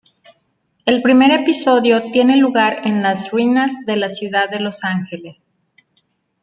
El primer episodio tiene lugar en las ruinas de la ciudad de Los Ángeles.